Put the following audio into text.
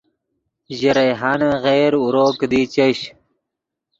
ژے ریحانن غیر اورو کیدی چش